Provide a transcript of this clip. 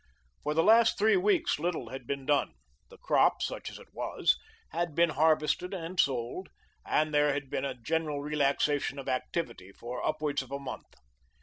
For the last three weeks little had been done. The crop such as it was had been harvested and sold, and there had been a general relaxation of activity for upwards of a month.